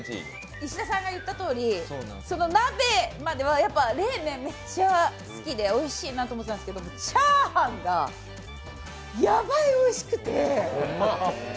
石田さんが言ったとおり、冷麺はめっちゃ好きでおいしいと思ったんですけどチャーハンがやばいおいしくて。